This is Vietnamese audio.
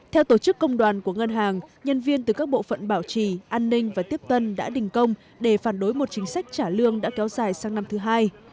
theo tổ chức công đoàn của ngân hàng nhân viên từ các bộ phận bảo trì an ninh và tiếp tân đã đình công để phản đối một chính sách trả lương đã kéo dài sang năm thứ hai